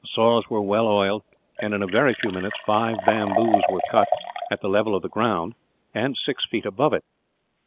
The saws were well oiled and, in a very few minutes, five bamboos were cut away, at the level of the ground and six feet above it.